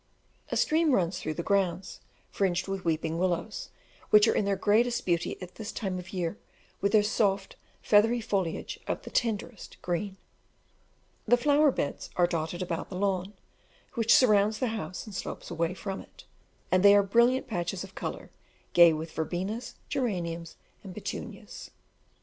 A stream runs through the grounds, fringed with weeping willows, which are in their greatest beauty at this time of year, with their soft, feathery foliage of the tenderest green. The flower beds are dotted about the lawn, which surrounds the house and slopes away from it, and they are brilliant patches of colour, gay with verbenas, geraniums, and petunias.